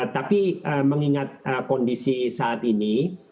tapi mengingat kondisi saat ini